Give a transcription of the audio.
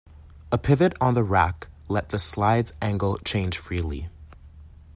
A pivot on the rack let the slide's angle change freely.